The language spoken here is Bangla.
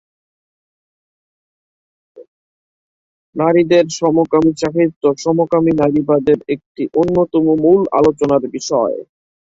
নারীদের সমকামী সাহিত্য সমকামী নারীবাদের একটি অন্যতম মূল আলোচনার বিষয়।